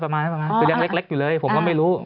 ประมาณนี้คือเล็กอยู่เลยผมก็ไม่รู้